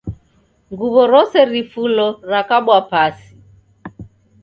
Nguwo rose rifulo rakabwa pasi